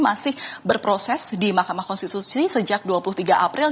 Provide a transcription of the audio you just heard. masih berproses di mahkamah konstitusi sejak dua puluh tiga april